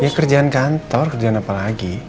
ya kerja kantor kerja apa lagi